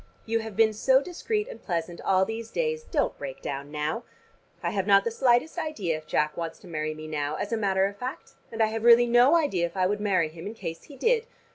You have been so discreet and pleasant all these days: don't break down now. I have not the slightest idea if Jack wants to marry me now, as a matter of fact; and I have really no idea if I would marry him in case he did.